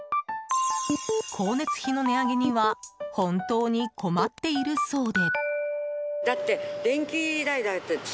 光熱費の値上げには本当に困っているそうで。